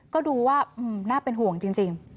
ก็ดูว่าน่าเป็นห่วงจริง